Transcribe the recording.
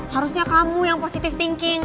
harusnya kamu yang positive thinking